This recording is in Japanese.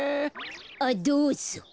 あっどうぞ。